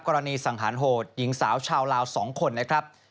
กรณีสังหารโหดหญิงสาวชาวลาว๒คนนะครับ